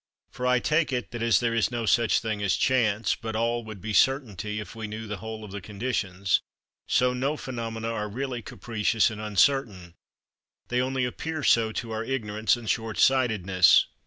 For I take it, that as there is no such thing as chance, but all would be certainty if we knew the whole of the conditions, so no phenomena are really capricious and uncertain: they only appear so to our ignorance and shortsightedness.